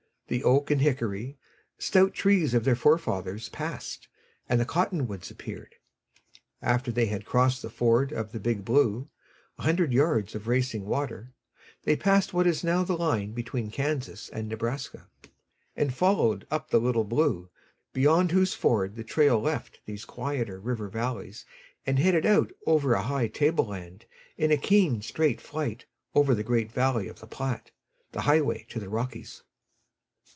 The oak and hickory, stout trees of their forefathers, passed, and the cottonwoods appeared. After they had crossed the ford of the Big Blue a hundred yards of racing water they passed what is now the line between Kansas and Nebraska, and followed up the Little Blue, beyond whose ford the trail left these quieter river valleys and headed out over a high table land in a keen straight flight over the great valley of the Platte, the highway to the Rockies.